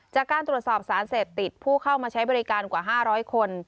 จากการตรวจสอบสารเสพติดผู้เข้ามาใช้บริการกว่า๕๐๐คน